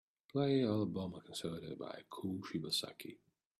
Play Alabama Concerto by Kou Shibasaki.